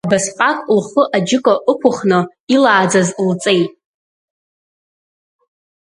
Абасҟак лхы аџьыка ықәыхны илааӡаз лҵеи!